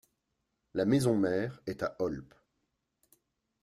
La maison-mère est à Olpe.